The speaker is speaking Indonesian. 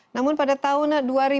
namun pada tahun dua ribu empat belas